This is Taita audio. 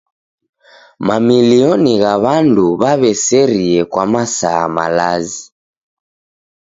Mamilioni gha w'andu w'aw'eserie kwa masaa malazi.